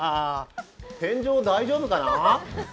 天井、大丈夫かな？